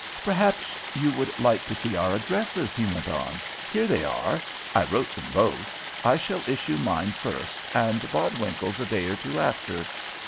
"Perhaps you would like to see our addresses," he went on, "here they are; I wrote them both. I shall issue mine first, and Bodwinkle's a day or two after."